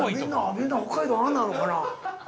みんな北海道ああなのかな。